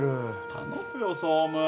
頼むよ総務。